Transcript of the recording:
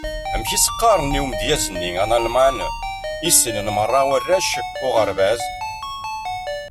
Amek i s-qqaren i umedyaz-nni analman i ssnen merra warrac uɣerbaz?